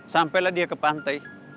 sampailah dia ke pantai